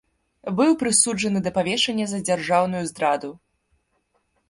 Быў прысуджаны да павешання за дзяржаўную здраду.